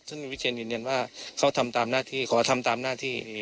ซึ่งวิเชียนยืนยันว่าเขาทำตามหน้าที่ขอทำตามหน้าที่